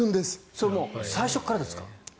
それは最初からですか？